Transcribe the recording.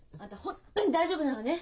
本当に大丈夫なのね！？